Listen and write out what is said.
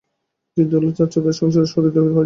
কী বল ভাই চোখের বালি, সংসারে এমন সুহৃদ কয় জন পাওয়া যায়।